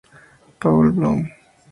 Paul Bloom.